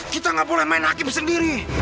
kita nggak boleh main hakim sendiri